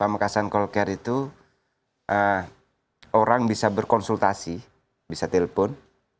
pamekasan call care itu orang bisa berkonsultasi bisa telepon